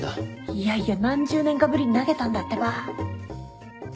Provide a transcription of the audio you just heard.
いやいや何十年かぶりに投げたんだってば。